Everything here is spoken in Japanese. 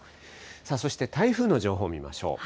さあそして台風の情報見ましょう。